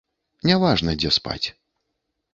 Не важна, дзе спаць.